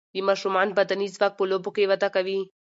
د ماشومان بدني ځواک په لوبو کې وده کوي.